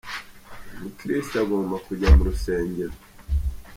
Umukirisitu agomba kujya mu rusengero